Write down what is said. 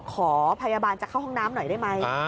ขอพยาบาลจะเข้าห้องน้ำหน่อยได้ไหม